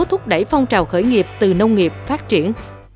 thúc đẩy phong trào khởi nghiệp từ nông nghiệp phát triển